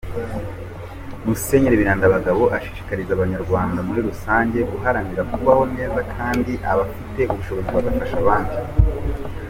Musenyeri Birindabagabo ashishikariza Abanyarwanda muri rusange guharanira “kubaho kandi neza”, abafite ubushobozi bagafasha abandi.